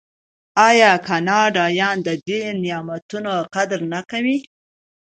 آیا کاناډایان د دې نعمتونو قدر نه کوي؟